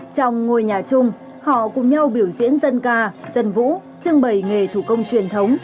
trong ngôi nhà chung họ cùng nhau biểu diễn dân ca dân vũ trưng bày nghề thủ công truyền thống